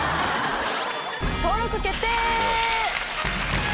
登録決定！